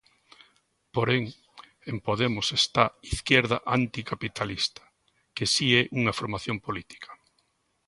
Porén, en Podemos está Izquierda Anticapitalista, que si é unha formación política.